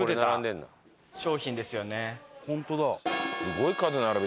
ホントだ。